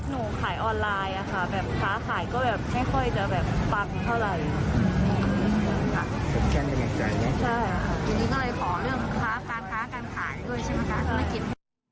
อย่างนี้ก็เลยขอเรื่องข้อการขาดการขายด้วยใช่ไหมคะคุณมักกิ๊ด